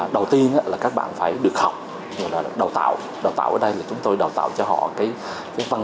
đầu tiên là các bạn phải được học đào tạo đào tạo ở đây là chúng tôi đào tạo cho họ cái văn